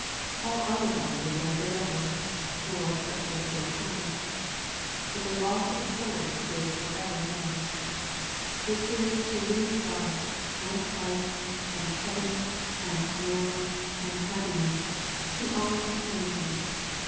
All other losses are bearable, or but for a short time, but the loss of the soul is for ever more. It is to lose God, and Christ, and heaven, and glory, and happiness, to all eternity.